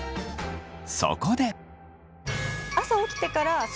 そこで。